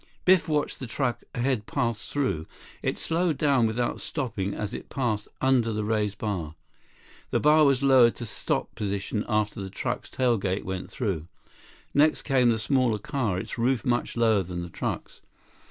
Biff watched the truck ahead pass through. It slowed down without stopping as it passed under the raised bar. The bar was lowered to stop position after the truck's tail gate went through. Next came the smaller car, its roof much lower than the truck's.